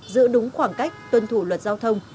giữ đúng khoảng cách tuân thủ luật giao thông